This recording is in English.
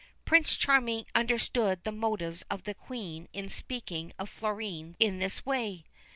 Prince Charming understood the motives of the Queen in speaking of Florine in this way.